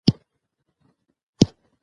اداره د خلکو حقونه درناوی کوي.